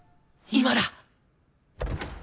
今だ！